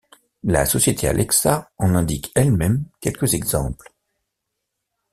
La société Alexa en indique elle-même quelques exemples.